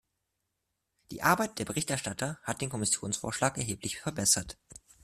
Die Arbeit der Berichterstatter hat den Kommissionsvorschlag erheblich verbessert.